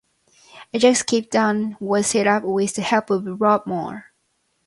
Ajax Cape Town was set up with the help of Rob Moore.